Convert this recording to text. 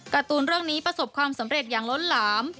การ์ตูนเรื่องนี้ประสบความสำเร็จอย่างล้นหลาม